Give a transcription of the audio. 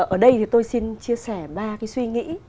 ở đây thì tôi xin chia sẻ ba cái suy nghĩ